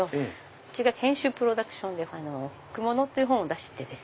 うちが編集プロダクションで『ふくもの』という本を出して。